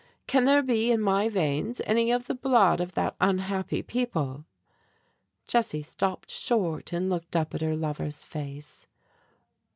Can there be in my veins any of the blood of that unhappy people?" Jessie stopped short and looked up at her lover's face.